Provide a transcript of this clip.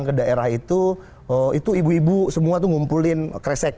kenapa kita tidak boleh